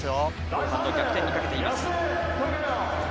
後半の逆転にかけています。